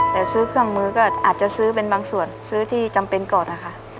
แต่ซื้อเครื่องมือก็อาจจะซื้อเป็นบางส่วนซื้อที่จำเป็นก่อนนะคะ